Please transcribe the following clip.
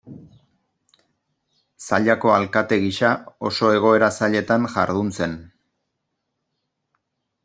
Zallako alkate gisa oso egoera zailetan jardun zen.